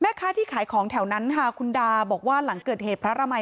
ค้าที่ขายของแถวนั้นค่ะคุณดาบอกว่าหลังเกิดเหตุพระรามัย